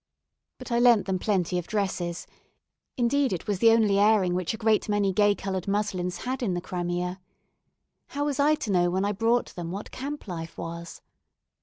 But I lent them plenty of dresses; indeed, it was the only airing which a great many gay coloured muslins had in the Crimea. How was I to know when I brought them what camp life was?